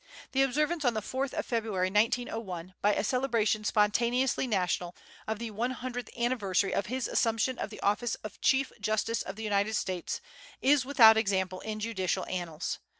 The observance on the 4th of February, 1901, by a celebration spontaneously national, of the one hundredth anniversary of his assumption of the office of Chief Justice of the United States, is without example in judicial annals.